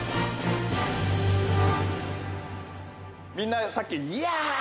みんなさっきヤー！